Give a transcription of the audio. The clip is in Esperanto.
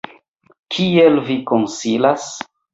Kiel vi konsilas?